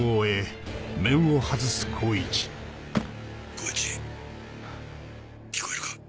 耕一聞こえるか？